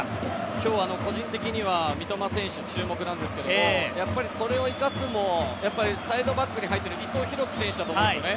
今日個人的には三笘選手、注目なんですけどそれを生かすもサイドバックに入っている伊藤洋輝選手だと思うんですね。